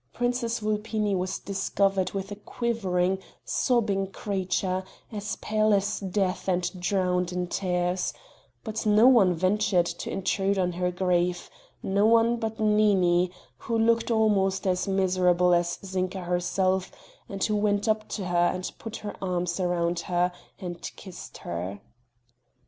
Princess Vulpini was discovered with a quivering, sobbing creature, as pale as death and drowned in tears; but no one ventured to intrude on her grief No one but Nini, who looked almost as miserable as Zinka herself, and who went up to her, and put her arms round her, and kissed her.